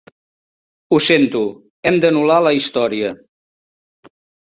Ho sento, hem d'anul·lar la història.